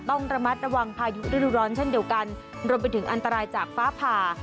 ต้องระมัดระวังพายุฤดูร้อนเช่นเดียวกันรวมไปถึงอันตรายจากฟ้าผ่า